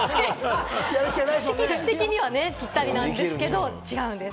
気持ち的にはぴったりなんですけれども、違うんです。